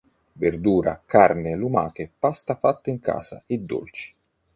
Verdura, carne, lumache, pasta fatta in casa e dolci.